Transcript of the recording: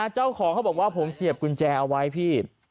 เจ้าของเขาบอกว่าผมเสียบกุญแจเอาไว้พี่